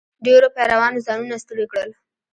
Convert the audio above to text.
ډېرو پیرانو ځانونه ستړي کړل.